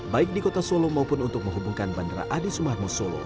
baik di kota solo maupun untuk menghubungkan bandara adi sumarmo solo